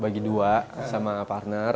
bagi dua sama partner